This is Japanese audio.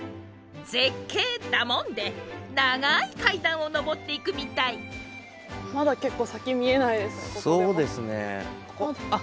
絶景だもんで長い階段を上っていくみたい。大丈夫！？